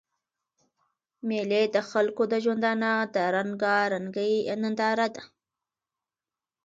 مېلې د خلکو د ژوندانه د رنګارنګۍ ننداره ده.